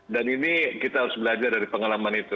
dan ini kita harus belajar dari pengalaman itu